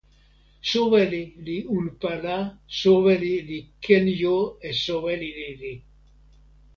soweli li unpa la, soweli li ken jo e soweli lili.